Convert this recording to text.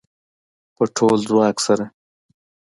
په ټول ځواک سره